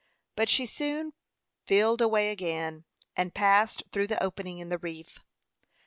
But she soon filled away again, and passed through the opening in the reef.